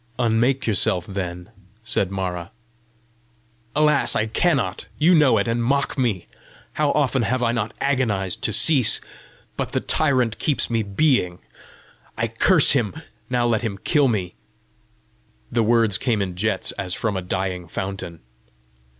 "Unmake yourself, then," said Mara. "Alas, I cannot! You know it, and mock me! How often have I not agonised to cease, but the tyrant keeps me being! I curse him! Now let him kill me!" The words came in jets as from a dying fountain.